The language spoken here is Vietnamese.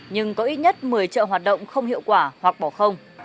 nhưng có ít nhất một mươi chợ hoạt động không hiệu quả hoặc bỏ không